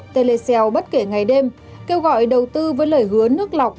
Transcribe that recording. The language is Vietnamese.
tê lê xeo bất kể ngày đêm kêu gọi đầu tư với lời hứa nước lọc